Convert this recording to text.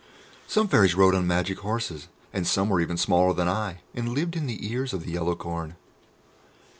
Some Fairies rode on magic horses, and some were even smaller than I, and lived in the ears of the yellow corn.